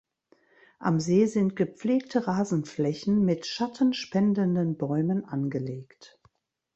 Am See sind gepflegte Rasenflächen mit schattenspendenden Bäumen angelegt.